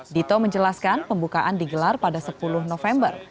dito menjelaskan pembukaan digelar pada sepuluh november